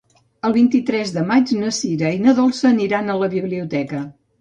El vint-i-tres de maig na Sira i na Dolça aniran a la biblioteca.